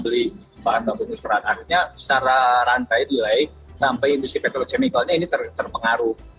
beli bahan baku kain artinya secara rantai nilai sampai industri petrochemicalnya ini terpengaruh